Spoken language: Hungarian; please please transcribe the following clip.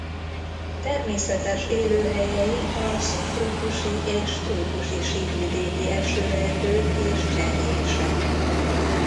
Természetes élőhelyei a szubtrópusi és trópusi síkvidéki esőerdők és cserjések.